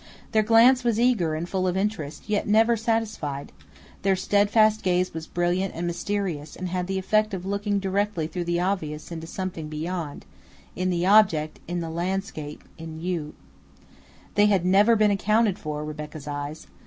Their glance was eager and full of interest, yet never satisfied; their steadfast gaze was brilliant and mysterious, and had the effect of looking directly through the obvious to something beyond, in the object, in the landscape, in you. They had never been accounted for, Rebecca's eyes.